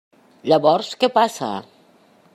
Llavors, ¿què passa?